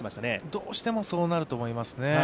どうしてもそうなってくると思いますね。